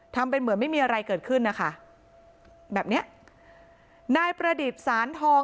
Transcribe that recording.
ทำเป็นเหมือนไม่มีอะไรเกิดขึ้นนะคะแบบเนี้ยนายประดิษฐ์สารทอง